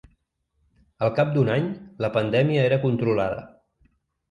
Al cap d’un any, la pandèmia era controlada.